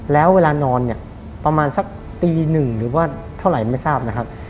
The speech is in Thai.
แล้วเวลานอนเนี่ยประมาณสักตีหนึ่งหรือว่าเท่าไหร่ไม่ทราบนะครับ